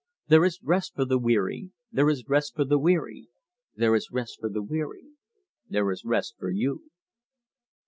There is rest for the weary, There is rest for the weary, There is rest for the weary, There is rest for you."